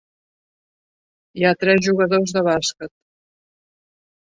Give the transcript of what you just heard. Hi ha tres jugadors de bàsquet